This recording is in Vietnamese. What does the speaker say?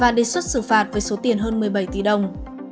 và đề xuất xử phạt với số tiền hơn một mươi bảy tỷ đồng